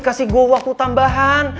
kasih gue waktu tambahan